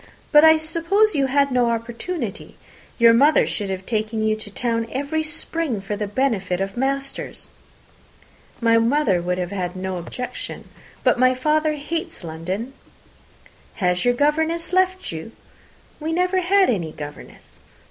But I suppose you had no opportunity. Your mother should have taken you to town every spring for the benefit of masters." "My mother would have no objection, but my father hates London." "Has your governess left you?" "We never had any governess."